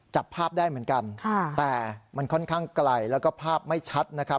จับภาพได้เหมือนกันแต่มันค่อนข้างไกลแล้วก็ภาพไม่ชัดนะครับ